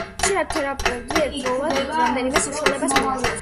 ხშირად თერაპევტი ერთდროულად რამდენიმე საშუალებას მიმართავს.